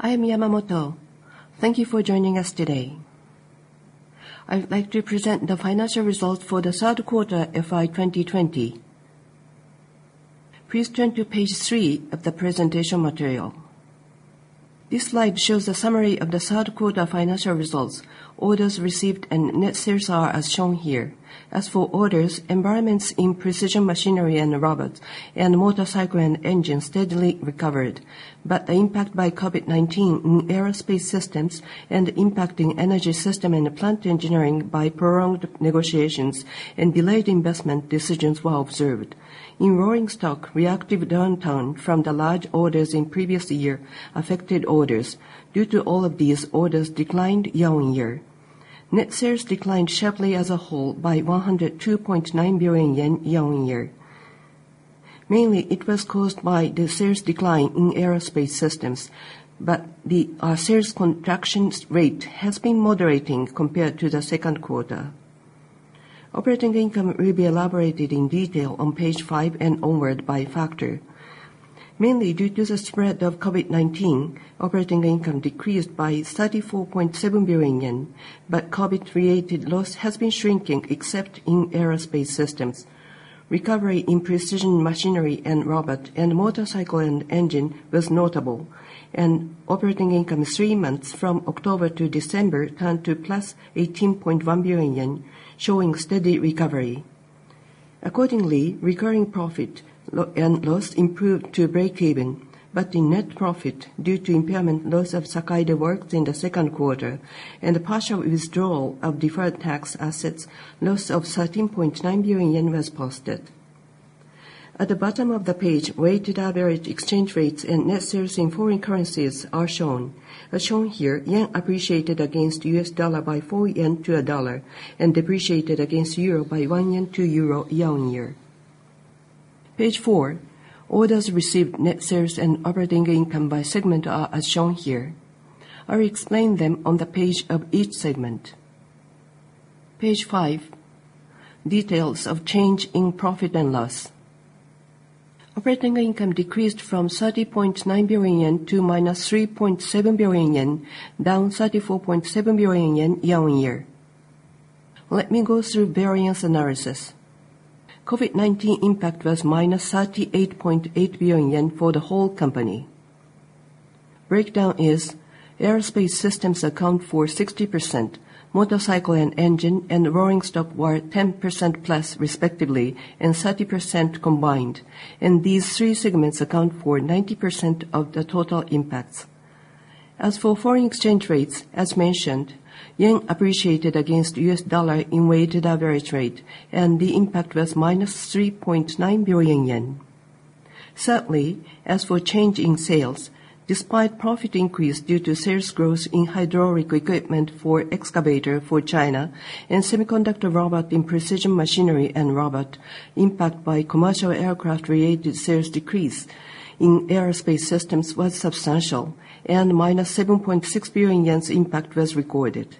I am Yamamoto. Thank you for joining us today. I would like to present the financial results for the third quarter FY 2020. Please turn to page three of the presentation material. This slide shows a summary of the third quarter financial results, orders received, and net sales are as shown here. As for orders, environments in precision machinery and robot and motorcycle and engine steadily recovered. The impact by COVID-19 in aerospace systems and impact in energy system and plant engineering by prolonged negotiations and delayed investment decisions were observed. In rolling stock, reactive downturn from the large orders in previous year affected orders. Due to all of these, orders declined year on year. Net sales declined sharply as a whole by 102.9 billion yen year on year. Mainly, it was caused by the sales decline in aerospace systems, but the sales contraction rate has been moderating compared to the second quarter. Operating income will be elaborated in detail on page five and onward by factor. Mainly due to the spread of COVID-19, operating income decreased by 34.7 billion yen, but COVID-related loss has been shrinking, except in aerospace systems. Recovery in precision machinery and robot and motorcycle and engine was notable, and operating income three months from October to December turned to +18.1 billion yen, showing steady recovery. Accordingly, recurring profit and loss improved to breakeven. In net profit, due to impairment loss of Sakaide Works in the second quarter and the partial withdrawal of deferred tax assets, loss of 13.9 billion yen was posted. At the bottom of the page, weighted average exchange rates and net sales in foreign currencies are shown. As shown here, yen appreciated against U.S. dollar by 4 yen to a dollar and depreciated against Euro by 1 yen to euro year on year. Page four, orders received, net sales, and operating income by segment are as shown here. I will explain them on the page of each segment. Page five, details of change in profit and loss. Operating income decreased from 30.9 billion yen to -3.7 billion yen, down 34.7 billion yen year on year. Let me go through variance analysis. COVID-19 impact was -38.8 billion yen for the whole company. Breakdown is aerospace systems account for 60%, motorcycle and engine and rolling stock were 10%+ respectively, and 30% combined. These three segments account for 90% of the total impacts. As for foreign exchange rates, as mentioned, JPY appreciated against U.S. dollar in weighted average rate, and the impact was -3.9 billion yen. Certainly, as for change in sales, despite profit increase due to sales growth in hydraulic equipment for excavator for China and semiconductor robot in precision machinery and robot, impact by commercial aircraft-related sales decrease in aerospace systems was substantial, and -7.6 billion's impact was recorded.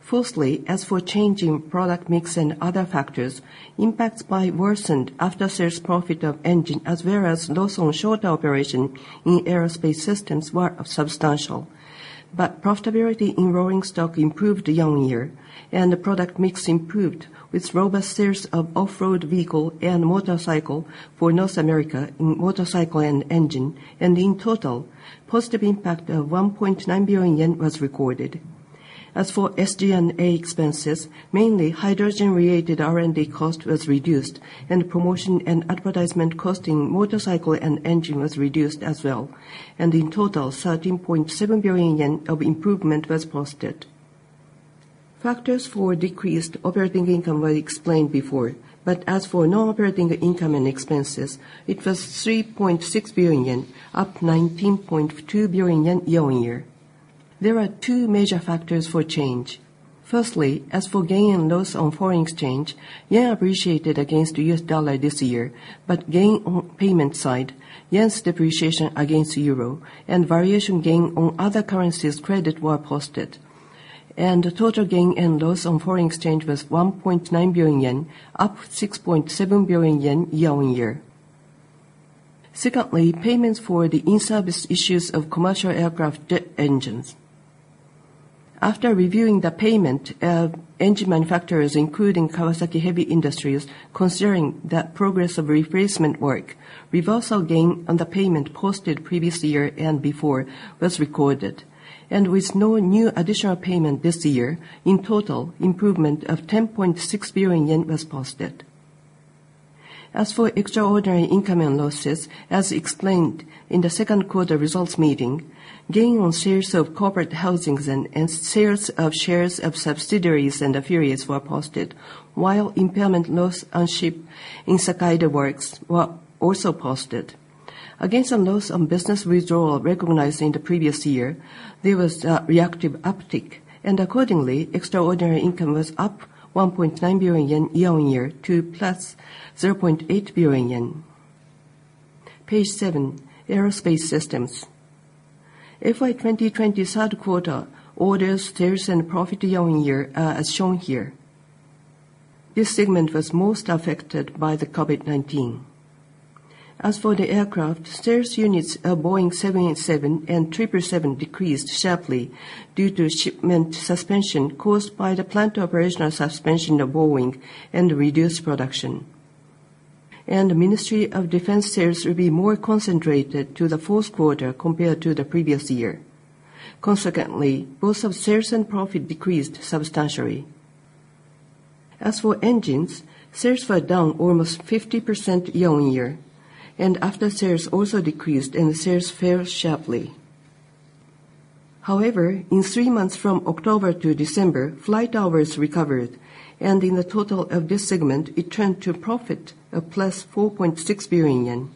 Firstly, as for change in product mix and other factors, impacts by worsened after-sales profit of engine, as well as loss on shorter operation in aerospace systems were substantial. Profitability in rolling stock improved year on year, and the product mix improved with robust sales of off-road vehicle and motorcycle for North America in motorcycle and engine. In total, positive impact of 1.9 billion yen was recorded. As for SG&A expenses, mainly hydrogen-related R&D cost was reduced, and promotion and advertisement cost in motorcycle and engine was reduced as well. In total, 13.7 billion yen of improvement was posted. Factors for decreased operating income were explained before, as for non-operating income and expenses, it was 3.6 billion yen, up 19.2 billion yen year on year. There are two major factors for change. Firstly, as for gain and loss on foreign exchange, JPY appreciated against USD this year, gain on payment side, JPY's depreciation against EUR and variation gain on other currencies credit were posted. The total gain and loss on foreign exchange was 1.9 billion yen, up 6.7 billion yen year on year. Secondly, payments for the in-service issues of commercial aircraft jet engines. After reviewing the payment of engine manufacturers, including Kawasaki Heavy Industries, considering the progress of replacement work, reversal gain on the payment posted previous year and before was recorded. With no new additional payment this year, in total, improvement of 10.6 billion yen was posted. As for extraordinary income and losses, as explained in the second quarter results meeting, gain on sales of corporate housings and sales of shares of subsidiaries in the period were posted, while impairment loss on ship in Sakaide Works were also posted. Against the loss on business withdrawal recognized in the previous year, there was a reactive uptick. Accordingly, extraordinary income was up 1.9 billion yen year on year to + 0.8 billion yen. Page seven, aerospace systems. FY 2020 third quarter orders, sales, and profit year on year are as shown here. This segment was most affected by the COVID-19. As for the aircraft, sales units of Boeing 787 and 777 decreased sharply due to shipment suspension caused by the plant operational suspension of Boeing and reduced production. The Ministry of Defense sales will be more concentrated to the fourth quarter compared to the previous year. Consequently, both sales and profit decreased substantially. As for engines, sales were down almost 50% year on year, and after-sales also decreased, and sales fell sharply. However, in three months from October to December, flight hours recovered, and in the total of this segment, it turned to a profit of +4.6 billion yen.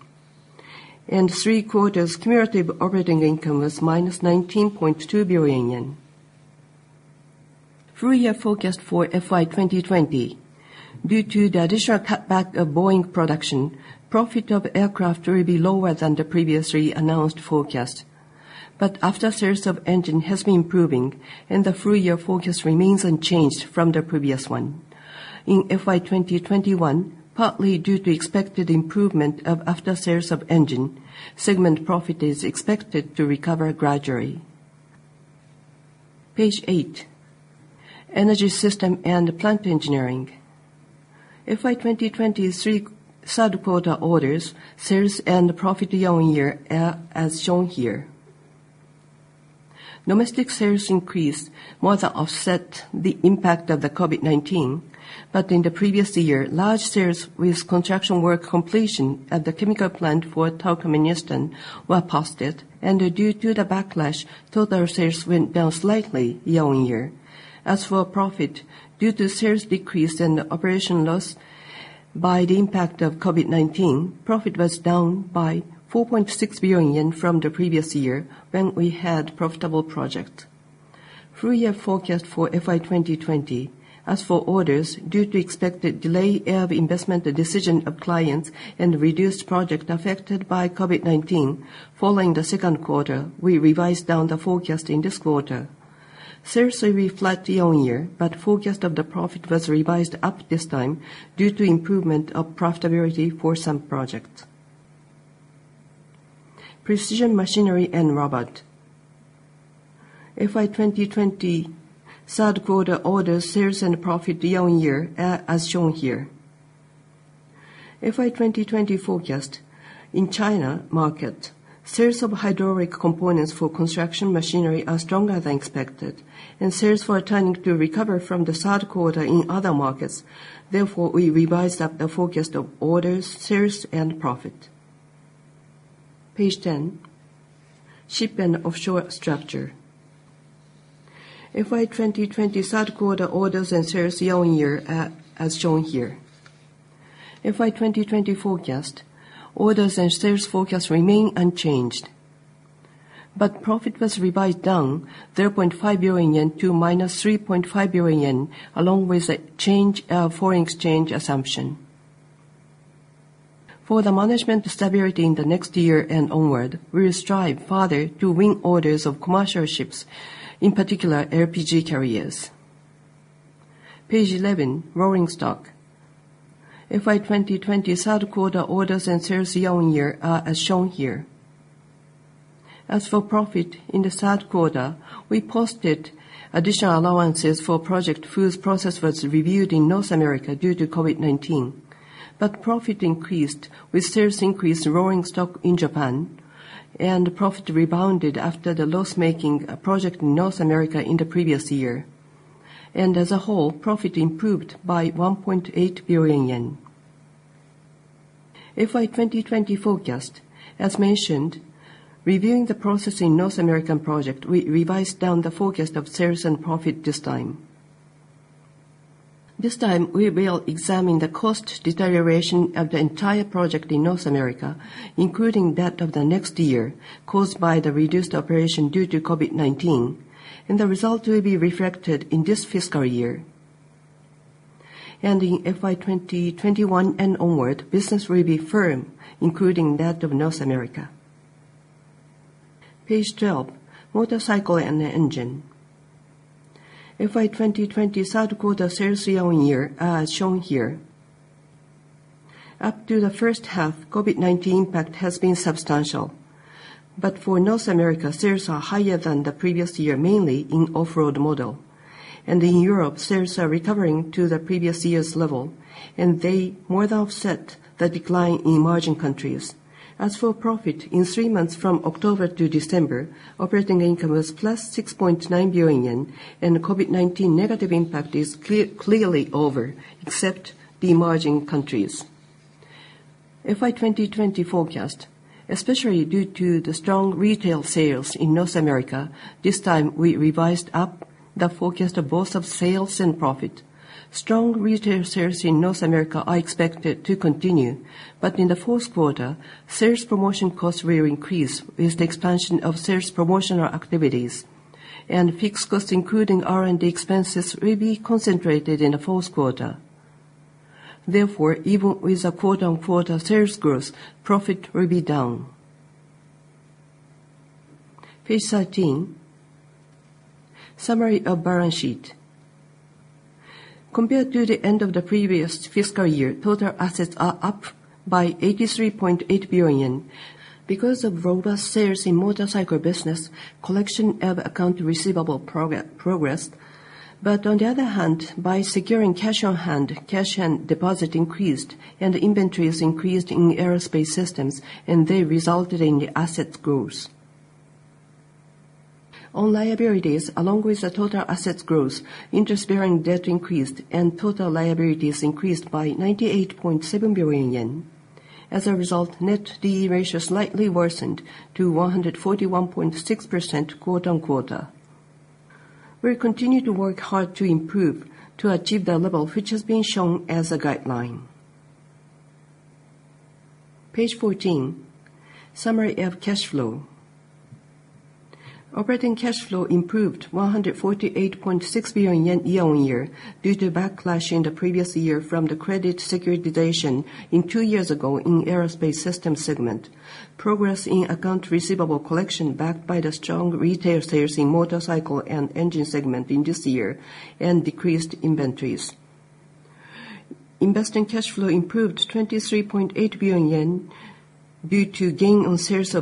In three quarters, cumulative operating income was -19.2 billion yen. Full year forecast for FY 2020. Due to the additional cutback of Boeing production, profit of aircraft will be lower than the previously announced forecast. After-sales of engine has been improving, and the full-year forecast remains unchanged from the previous one. In FY 2021, partly due to expected improvement of after-sales of engine, segment profit is expected to recover gradually. Page eight, energy system and plant engineering. FY 2020 third quarter orders, sales, and profit year on year, as shown here. Domestic sales increased, more than offset the impact of the COVID-19. In the previous year, large sales with construction work completion at the chemical plant for Tokheim in Houston were posted. Due to the backlash, total sales went down slightly year on year. As for profit, due to sales decrease and operation loss by the impact of COVID-19, profit was down by 4.6 billion yen from the previous year, when we had profitable project. Full year forecast for FY 2020. As for orders, due to expected delay of investment, the decision of clients, and reduced project affected by COVID-19. Following the second quarter, we revised down the forecast in this quarter. Sales are flat year on year, but forecast of the profit was revised up this time due to improvement of profitability for some projects. Precision machinery and robot. FY 2020 third quarter orders, sales, and profit year on year are as shown here. FY 2020 forecast. In China market, sales of hydraulic components for construction machinery are stronger than expected, and sales are turning to recover from the third quarter in other markets. We revised up the forecast of orders, sales, and profit. Page 10, ship and offshore structure. FY 2020 third quarter orders and sales year on year are as shown here. FY 2020 forecast. Orders and sales forecast remain unchanged. Profit was revised down 3.5 billion yen to -JPY 3.5 billion, along with a foreign exchange assumption. For the management stability in the next year and onward, we will strive farther to win orders of commercial ships, in particular, LPG carriers. Page 11, rolling stock. FY 2020 third quarter orders and sales year on year are as shown here. As for profit in the third quarter, we posted additional allowances for project whose process was reviewed in North America due to COVID-19. Profit increased with sales increase in rolling stock in Japan, and profit rebounded after the loss-making project in North America in the previous year. As a whole, profit improved by 1.8 billion yen. FY 2020 forecast. As mentioned, reviewing the process in North American project, we revised down the forecast of sales and profit this time. This time, we will examine the cost deterioration of the entire project in North America, including that of the next year, caused by the reduced operation due to COVID-19, and the result will be reflected in this fiscal year. In FY 2021 and onward, business will be firm, including that of North America. Page 12, motorcycle and engine. FY 2020 third quarter sales year on year are as shown here. Up to the first half, COVID-19 impact has been substantial. For North America, sales are higher than the previous year, mainly in off-road model. In Europe, sales are recovering to the previous year's level, and they more than offset the decline in emerging countries. As for profit, in three months from October to December, operating income was +6.9 billion yen, and the COVID-19 negative impact is clearly over, except the emerging countries. FY 2020 forecast. Especially due to the strong retail sales in North America, this time we revised up the forecast of both sales and profit. Strong retail sales in North America are expected to continue, but in the fourth quarter, sales promotion costs will increase with the expansion of sales promotional activities. Fixed costs, including R&D expenses, will be concentrated in the fourth quarter. Therefore, even with a quarter-on-quarter sales growth, profit will be down. Page 13, summary of balance sheet. Compared to the end of the previous fiscal year, total assets are up by 83.8 billion. Because of robust sales in motorcycle and engine business, collection of account receivable progressed. On the other hand, by securing cash on hand, cash and deposit increased, and inventories increased in aerospace systems, and they resulted in asset growth. On liabilities, along with the total assets growth, interest-bearing debt increased and total liabilities increased by 98.7 billion yen. As a result, net debt ratio slightly worsened to 141.6% quarter-on-quarter. We'll continue to work hard to improve to achieve the level which is being shown as a guideline. Page 14, summary of cash flow. Operating cash flow improved 148.6 billion yen year on year due to backlash in the previous year from the credit securitization in two years ago in aerospace systems segment, progress in account receivable collection backed by the strong retail sales in motorcycle and engine segment in this year, and decreased inventories. Investing cash flow improved 23.8 billion yen due to gain on sales of corporate housings and sales of shares of subsidiaries. As a result, free cash flow improved by JPY 172.4 billion year on year. In the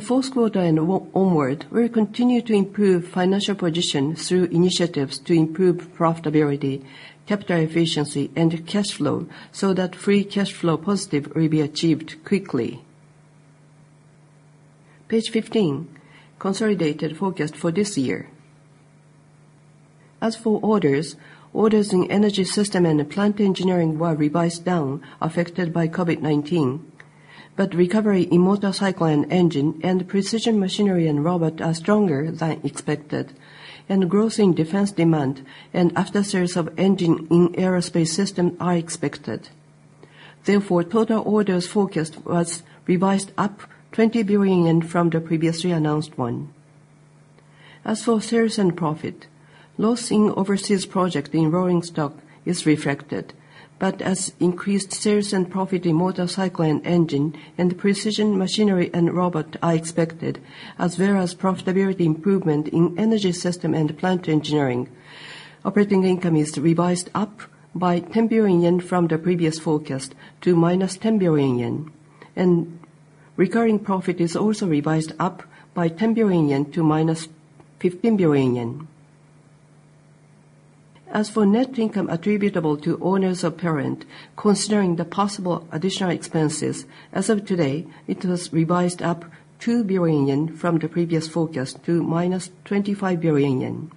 fourth quarter and onward, we'll continue to improve financial position through initiatives to improve profitability, capital efficiency and cash flow so that free cash flow positive will be achieved quickly. Page 15, consolidated forecast for this year. As for orders in energy system and plant engineering were revised down, affected by COVID-19. Recovery in motorcycle and engine and precision machinery and robot are stronger than expected, and growth in defense demand and after sales of engine in aerospace systems are expected. Total orders forecast was revised up 20 billion yen from the previously announced one. As for sales and profit, loss in overseas project in rolling stock is reflected, but as increased sales and profit in motorcycle and engine and precision machinery and robot are expected, as well as profitability improvement in energy system and plant engineering. Operating income is revised up by 10 billion yen from the previous forecast to -10 billion yen. Recurring profit is also revised up by 10 billion yen to -15 billion yen. As for net income attributable to owners of parent, considering the possible additional expenses, as of today, it was revised up 2 billion yen from the previous forecast to -25 billion yen.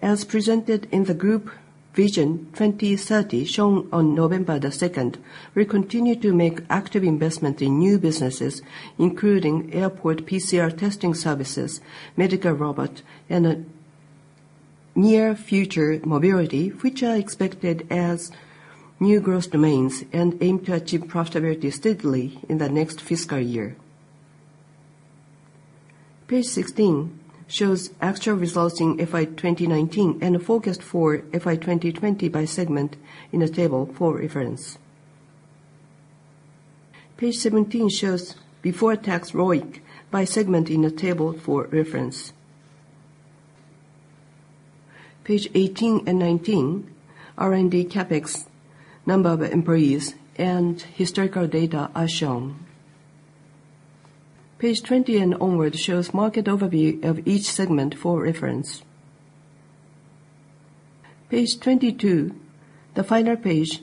As presented in the Group vision 2030, shown on November 2nd, we continue to make active investment in new businesses, including airport PCR testing services, medical robot, and Near-Future Mobility, which are expected as new growth domains, and aim to achieve profitability steadily in the next fiscal year. Page 16 shows actual results in FY 2019 and forecast for FY 2020 by segment in a table for reference. Page 17 shows before-tax ROIC by segment in a table for reference. Page 18 and 19, R&D, CapEx, number of employees, and historical data are shown. Page 20 and onward shows market overview of each segment for reference. Page 22, the final page,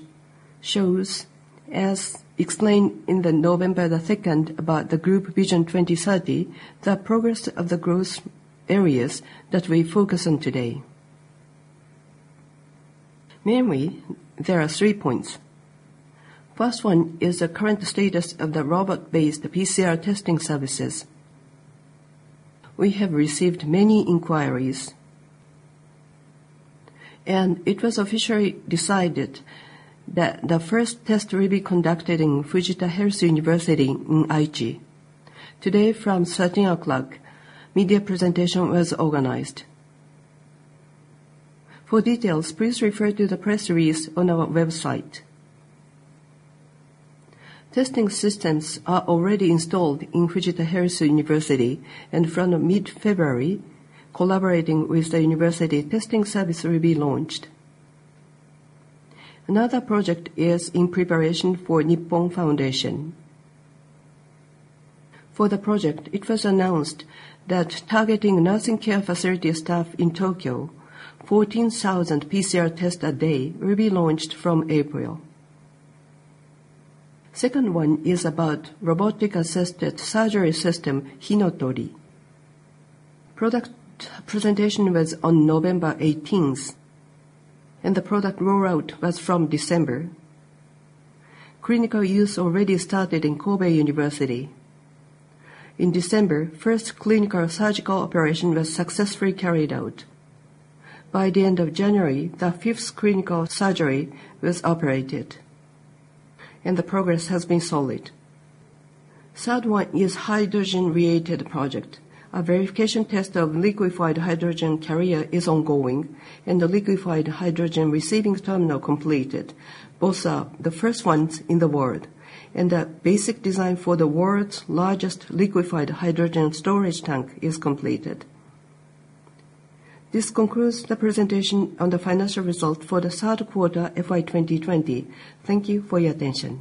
shows, as explained in November 2nd about the Group vision 2030, the progress of the growth areas that we focus on today. Mainly, there are three points. First one is the current status of the robot-based PCR testing services. We have received many inquiries. It was officially decided that the first test will be conducted in Fujita Health University in Aichi. Today from 1:00 P.M., media presentation was organized. For details, please refer to the press release on our website. Testing systems are already installed in Fujita Health University, and from mid-February, collaborating with the university, testing service will be launched. Another project is in preparation for Nippon Foundation. For the project, it was announced that targeting nursing care facility staff in Tokyo, 14,000 PCR tests a day will be launched from April. Second one is about robotic-assisted surgery system, hinotori. Product presentation was on November 18th, and the product rollout was from December. Clinical use already started in Kobe University. In December, first clinical surgical operation was successfully carried out. By the end of January, the fifth clinical surgery was operated, and the progress has been solid. Third one is hydrogen-related project. A verification test of liquefied hydrogen carrier is ongoing, and the liquefied hydrogen receiving terminal completed. Both are the first ones in the world, and the basic design for the world's largest liquefied hydrogen storage tank is completed. This concludes the presentation on the financial results for the third quarter FY 2020. Thank you for your attention.